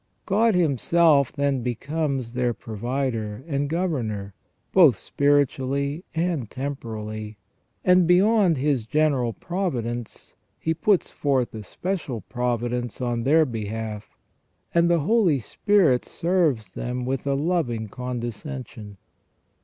God Himself then becomes their provider and governor both spiritually and temporally, and beyond His general providence He puts forth a special providence on their behalf, and the Holy Spirit serves them with a loving con descension.